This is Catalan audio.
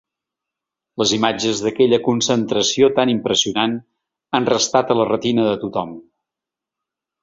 Les imatges d’aquella concentració tan impressionant han restat a la retina de tothom.